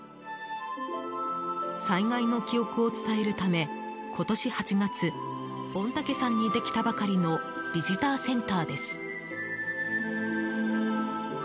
災害の記憶を伝えるため今年８月御嶽山にできたばかりのビジターセンターです。